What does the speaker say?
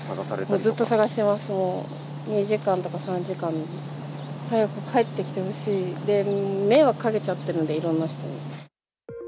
ずっと探してます、もう２時間とか３時間。早く帰ってきてほしい、迷惑かけちゃってるんで、いろんな人に。